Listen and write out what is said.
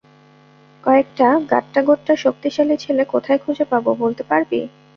কয়েকটা গাঁট্টাগোট্টা, শক্তিশালী ছেলে কোথায় খুঁজে পাবো, বলতে পারবি?